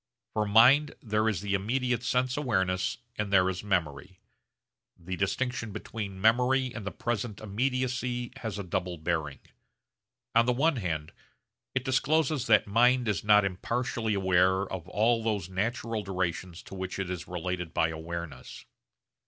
For mind there is the immediate sense awareness and there is memory. The distinction between memory and the present immediacy has a double bearing. On the one hand it discloses that mind is not impartially aware of all those natural durations to which it is related by awareness.